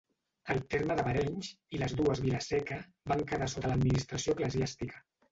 El terme de Barenys, i les dues Vila-seca van quedar sota l'administració eclesiàstica.